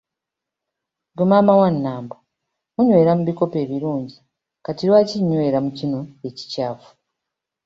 Gwe mama wa Nambo, munywera mu bikopo ebirungi kati lwaki nywera mu kino ekikyafu?"